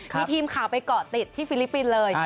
มีทีมข่าวไปเกาะติดที่ฟิลิปปินส์เลย